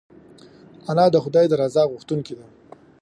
انا د خدای د رضا غوښتونکې ده